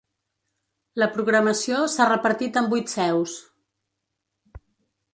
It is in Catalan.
La programació s’ha repartit en vuit seus.